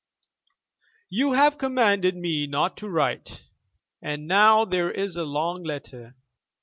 "You have commanded me not to write, and now there is a long letter!